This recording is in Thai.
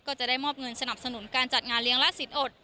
ก็จะได้มอบเงินสนับสนุนการจัดงานเลี้ยงละสินอด